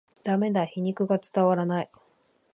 ダメだ、皮肉が伝わらない